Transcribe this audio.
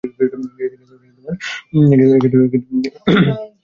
ছবির প্রতি দর্শকদের আগ্রহ আমার কষ্ট কিছুটা হলে দূর করতে পেরেছে।